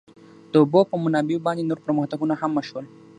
د اوبو په منابعو باندې نور پرمختګونه هم وشول.